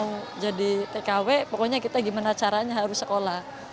mau jadi tkw pokoknya kita gimana caranya harus sekolah